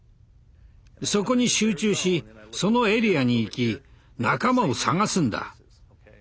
そこに集中しそのエリアに行き仲間を捜すんだ。